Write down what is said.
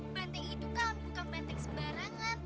banteng itu kan bukan banteng sebarangan